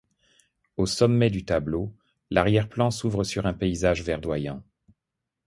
Au sommet du tableau, l'arrière-plan s'ouvre sur un paysage verdoyant.